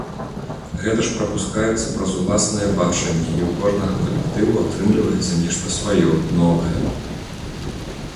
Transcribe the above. Гэта ж прапускаецца праз уласнае бачанне, і ў кожнага калектыву атрымліваецца нешта сваё, новае.